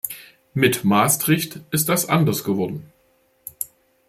Mit Maastricht ist das anders geworden.